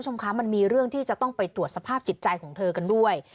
มันมีเรื่องที่จะต้องไปตรวจสภาพจิตใจของเธอกันด้วย